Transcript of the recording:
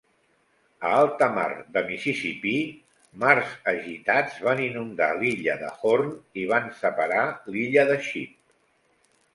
A alta mar de Mississipí, mars agitats van inundar l'illa de Horn i van separa l'illa de Ship.